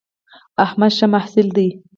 احمد ښه محصل دی